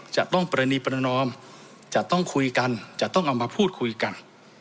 จะต้องปรณีประนอมจะต้องคุยกันจะต้องเอามาพูดคุยกัน